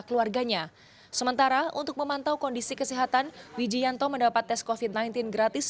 keluarganya sementara untuk memantau kondisi kesehatan wiji yanto mendapat tes kofit sembilan belas gratis